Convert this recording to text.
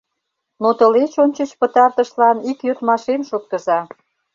Но тылеч ончыч пытартышлан ик йодмашем шуктыза!